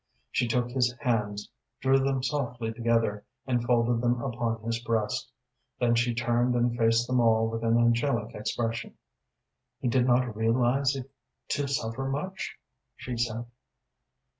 She took his hands, drew them softly together, and folded them upon his breast. Then she turned and faced them all with an angelic expression. "He did not realize it to suffer much?" she said.